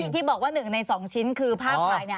ที่บอกว่าหนึ่งในสองชิ้นคือภาพหลาย